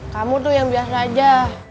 kamu tuh yang biasa aja